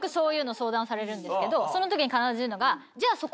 その時に必ず言うのが。